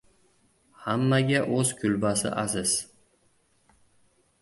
• Hammaga o‘z kulbasi aziz.